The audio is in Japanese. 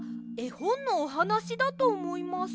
ほんのおはなしだとおもいます。